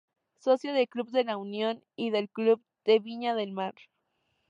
Socio del Club de La Unión y del Club de Viña del Mar.